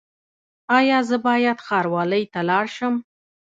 ایا زه باید ښاروالۍ ته لاړ شم؟